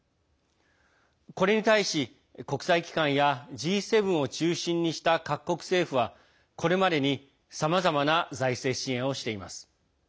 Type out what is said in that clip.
これに対し、国際機関やＧ７を中心にした各国政府はこれまでにさまざまな財政支援をしています。